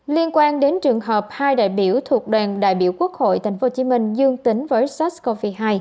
liên quan đến trường hợp hai đại biểu thuộc đoàn đại biểu quốc hội tp hcm dương tính với sars cov hai